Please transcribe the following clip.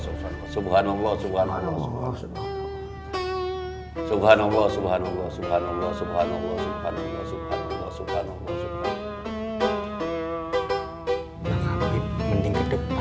subhanallah subhanallah subhanallah